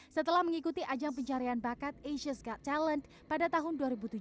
setelah mengikuti ajang pencarian bakat asias ⁇ got talent pada tahun dua ribu tujuh belas